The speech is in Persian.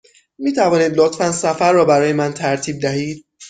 می توانید لطفاً سفر را برای من ترتیب دهید؟